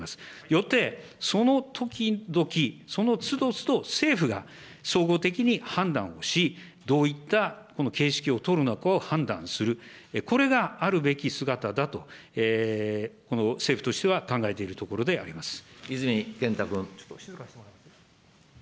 よって、その時々、その都度都度、政府が、総合的に判断をし、どういった形式を取るのかを判断する、これがあるべき姿だと、政府としては考えているところであります。